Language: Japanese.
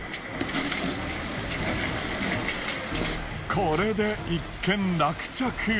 これで一件落着。